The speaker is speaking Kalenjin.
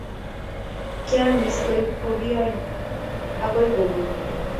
Kiamiss, kobiony ago komuny